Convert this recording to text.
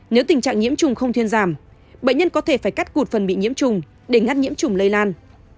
nếu tình trạng nhiễm trùng không thiên giảm bệnh nhân có thể phải cắt cụt phần bị nhiễm trùng để ngăn nhiễm trùng lây lan